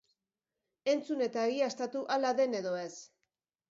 Entzun eta egiaztatu hala den edo ez!